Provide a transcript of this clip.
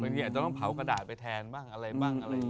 อาจจะต้องเผากระดาษไปแทนบ้างอะไรบ้างอะไรอย่างนี้